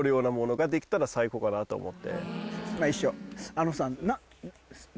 あのさ。